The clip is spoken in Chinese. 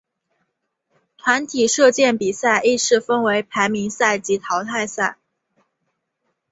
团体射箭比赛亦是分为排名赛及淘汰赛。